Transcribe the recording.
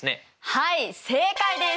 はい正解です！